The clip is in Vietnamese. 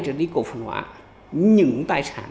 sẽ đi cổ phần hóa những tài sản